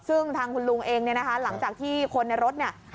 ซึ่งทางคุณลุงเองเนี่ยนะคะหลังจากที่คนในรถเนี่ย